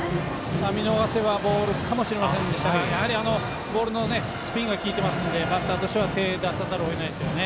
見逃せばボールかもしれませんでしたがやはりボールのスピンが利いてますのでバッターとしては手を出さざるをえないですね。